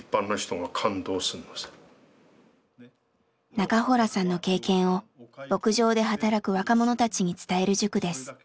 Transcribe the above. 中洞さんの経験を牧場で働く若者たちに伝える塾です。